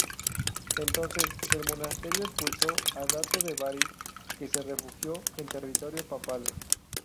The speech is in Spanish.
Entonces, el monasterio expulsó a Dato de Bari, que se refugió en territorio papal.